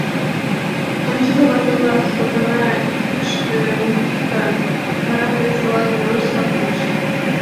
Ончыза, вате-влак, сотана икшыве мом кукта?! — вара рвезе-влак велыш савырныш.